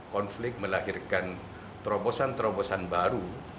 konflik melahirkan terobosan terobosan baru